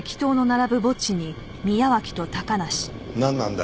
なんなんだ？